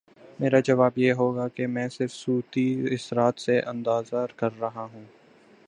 میرا جواب یہ ہو گا کہ میں صرف صوتی اثرات سے اندازہ کر رہا ہوں۔